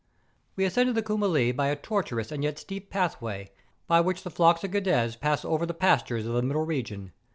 We ascended the Coumelie by a tortuous and yet steep pathway, by which the flocks of GMres pass over the pastures of the middle region.